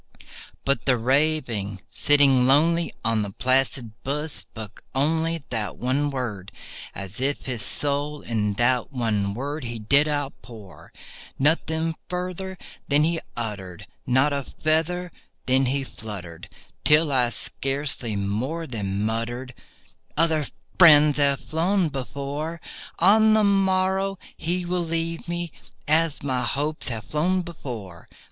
But the Raven, sitting lonely on that placid bust, spoke only That one word, as if his soul in that one word he did outpour. Nothing further then he uttered—not a feather then he fluttered— Till I scarcely more than muttered, "Other friends have flown before— On the morrow he will leave me, as my hopes have flown before."